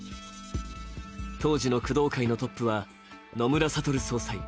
当時の工藤会のトップは野村悟総裁。